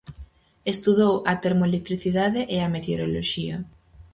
Estudou a termoelectricidade e a meteoroloxía.